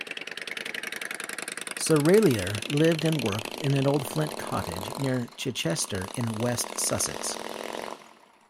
Serraillier lived and worked in an old flint cottage near Chichester, in West Sussex.